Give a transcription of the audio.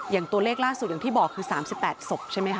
อย่างตัวเลขล่าสุดอย่างที่บอกคือ๓๘ศพใช่ไหมค